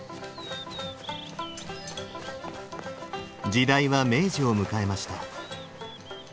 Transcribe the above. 時代は明治を迎えました。